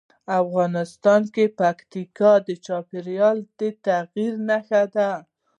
افغانستان کې پکتیکا د چاپېریال د تغیر نښه ده.